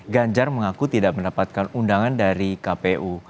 ganjar mengaku tidak mendapatkan undangan dari kpu